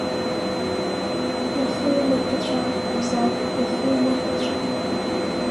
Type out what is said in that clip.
Иахумырҟьацәан, Абзагә, иахумырҟьацәан!